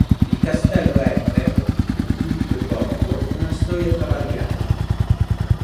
Il castello ebbe, come tutto il borgo, una storia travagliata.